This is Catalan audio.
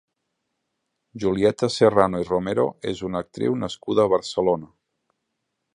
Julieta Serrano i Romero és una actriu nascuda a Barcelona.